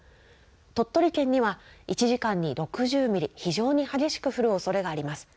鳥取県には１時間に６０ミリ、非常に激しく降るおそれがあります。